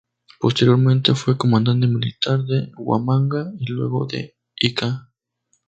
Posteriormente fue comandante militar de Huamanga y luego de Ica.